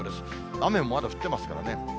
雨もまだ降ってますからね。